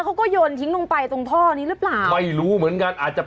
ไม่ได้แจกความนะฮะจ๊ะ